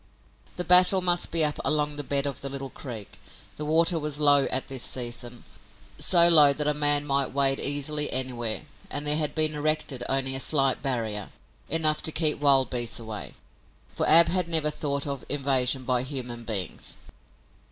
The battle must be up along the bed of the little creek. The water was low at this season, so low that a man might wade easily anywhere, and there had been erected only a slight barrier, enough to keep wild beasts away, for Ab had never thought of invasion by human beings.